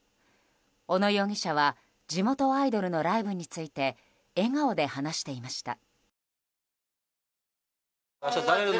小野容疑者は地元アイドルのライブについて笑顔で話していました。